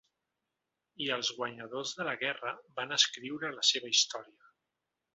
I els guanyadors de la guerra van escriure la seva història.